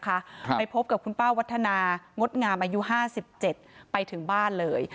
ครับไปพบกับคุณป้าวัฒนางดงามอายุห้าสิบเจ็ดไปถึงบ้านเลย